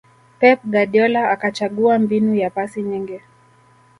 pep guardiola akachagua mbinu ya pasi nyingi